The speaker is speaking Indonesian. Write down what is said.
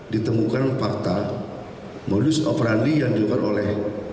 ditemukan fakta modus operandi yang dilakukan oleh